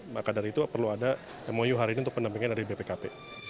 maka dari itu perlu ada mou hari ini untuk pendampingan dari bpkp